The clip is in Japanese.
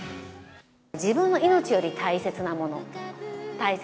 自分の命より大切なもの。